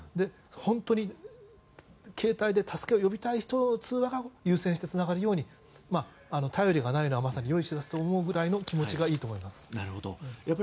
本当に携帯で助けを呼びたい人の通話を優先してつながるように便りがないのはまさに良い知らせと思うぐらいの気持ちがいいと思います。